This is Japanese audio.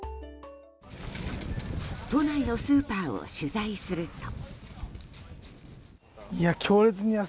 都内のスーパーを取材すると。